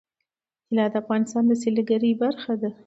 طلا د افغانستان د سیلګرۍ برخه ده.